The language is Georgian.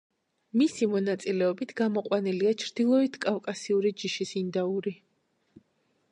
მისი მონაწილეობით გამოყვანილია ჩრდილოეთ კავკასიური ჯიშის ინდაური.